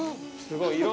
すごい。